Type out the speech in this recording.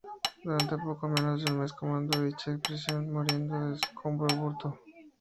Durante poco menos de un mes comandó dicha expedición, muriendo de escorbuto.